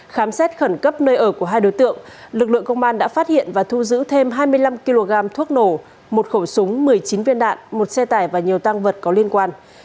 khám xét khẩn cấp nơi ở của hai đối tượng lực lượng công an đã phát hiện và thu giữ thêm hai mươi năm kg thuốc nổ một khẩu súng một mươi chín viên đạn một xe tải và nhiều tăng vật có liên quan